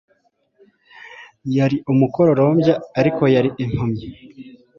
Yari umukororombya, ariko yari impumyi.